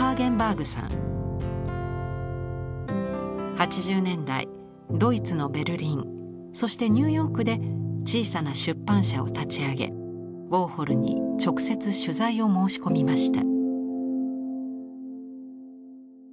８０年代ドイツのベルリンそしてニューヨークで小さな出版社を立ち上げウォーホルに直接取材を申し込みました。